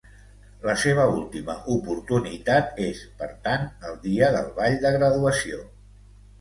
La seva última oportunitat és, per tant, el dia del ball de graduació.